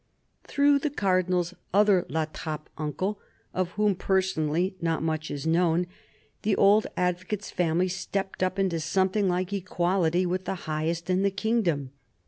Through the Cardinal's other La Porte uncle, of whom, personally, not much is known, the old advocate's family stepped up into something like equality with the highest in the kingdom.